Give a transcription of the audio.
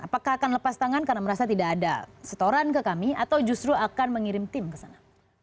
apakah akan lepas tangan karena merasa tidak ada setoran ke kami atau justru akan mengirim tim ke sana